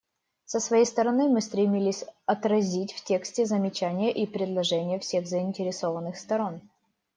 Со своей стороны, мы стремились отразить в тексте замечания и предложения всех заинтересованных сторон.